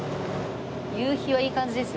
夕日はいい感じですよ。